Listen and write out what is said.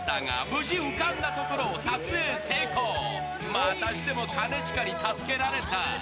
またしても兼近に助けられた。